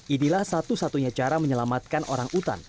inilah satu satunya cara menyelamatkan orang utan